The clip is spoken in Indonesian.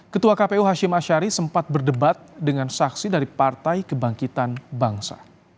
ketua kpu hashim ashari sempat berdebat dengan saksi dari partai kebangkitan bangsa